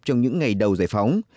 trong những ngày đầu giải phóng